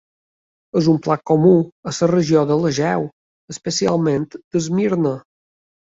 És un plat comú a la regió de l'Egeu, especialment d'Esmirna.